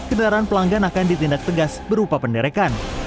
kendaraan pelanggan akan ditindak tegas berupa penderekan